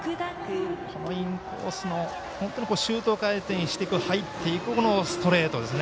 インコースのシュート回転して入っていくストレートですね。